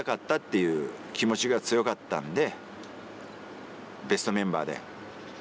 いう気持ちが強かったんで。